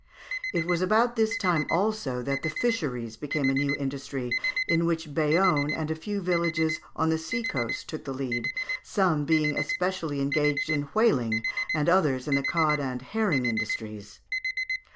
It was about this time also that the fisheries became a new industry, in which Bayonne and a few villages on the sea coast took the lead, some being especially engaged in whaling, and others in the cod and herring fisheries (Fig.